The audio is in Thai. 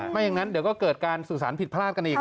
ไม่อย่างนั้นเดี๋ยวก็เกิดการสื่อสารผิดพลาดกันอีก